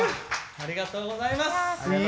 ありがとうございます。